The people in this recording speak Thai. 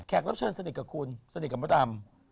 รับเชิญสนิทกับคุณสนิทกับมดดำ